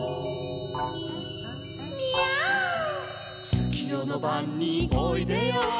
「つきよのばんにおいでよおいで」